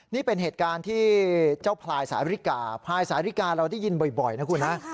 นี่เป็นเหตุการณ์ที่เจ้าพลายสายริกาพลายสาธิกาเราได้ยินบ่อยนะคุณฮะ